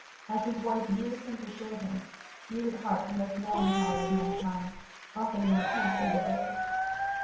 As his wife years since assured him, he is at heart the most melancholy of mankind, often when apparently the gayest.